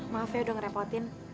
maaf ya udah ngerepotin